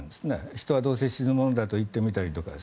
人はどうせ死ぬものだと言ってみたりとか。